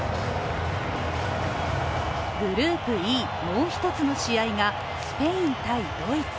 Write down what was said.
グループＥ、もう一つの試合がスペイン×ドイツ。